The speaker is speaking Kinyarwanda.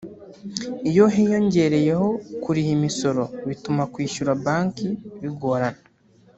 Iyo hiyongereyeho kuriha imisoro bituma kwishyura banki bigorana